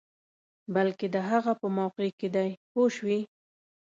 بلکې د هغه په موقع کې دی پوه شوې!.